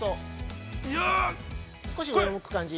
◆少し上を向く感じ。